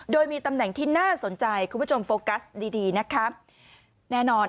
โดยมีตำแหน่งที่น่าสนใจคุณผู้ชมโฟกัสดีดีนะคะแน่นอน